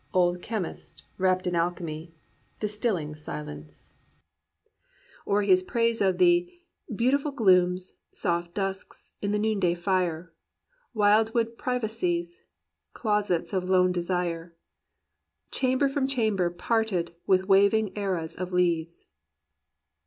Old chemist, wrapped in alchemy. Distilling silence, " or his praise of the "Beautiful glooms, soft dusks in the noon day fire, Wildwood privacies, closets of lone desire, 182 THE POET OF IMMORTAL YOUT^H Chamber from chamber parted with wavering arras of leaves."